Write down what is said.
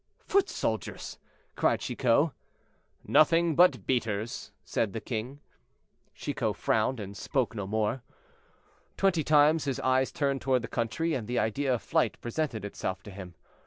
"Foot soldiers!" cried Chicot. "Nothing but beaters," said the king. Chicot frowned and spoke no more. Twenty times his eyes turned toward the country, and the idea of flight presented itself to him.